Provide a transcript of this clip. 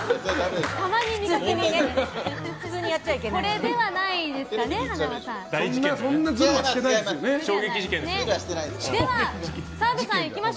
これではないですかね違います。